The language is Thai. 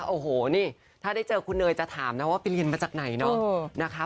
โอ้โหนี่ถ้าได้เจอคุณเนยจะถามนะว่าไปเรียนมาจากไหนเนาะนะคะ